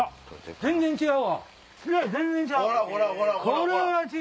全然違う！